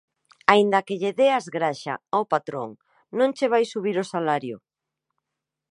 Aínda que lle deas graxa ao patrón non che vai subir o salario.